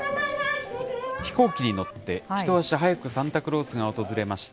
飛行機に乗って、一足早く、サンタクロースが訪れました。